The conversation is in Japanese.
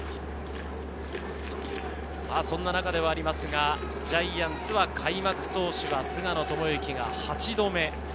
そんな中ではありますが、ジャイアンツは開幕投手が菅野智之が８度目。